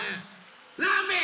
ラーメン！